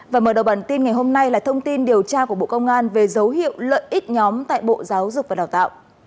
và mở đầu bản tin ngày hôm nay là thông tin điều tra của bộ công an về dấu hiệu lợi ích nhóm tại bộ giáo dục và đào tạo